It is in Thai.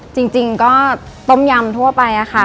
จริงก็ต้มยำทั่วไปค่ะ